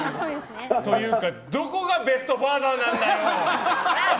というか、どこがベストファーザーなんだよ！